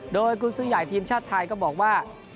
โดยกุญสือใหญ่ทีมชาติไทยก็บอกว่า